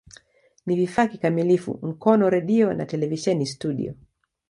Ni vifaa kikamilifu Mkono redio na televisheni studio.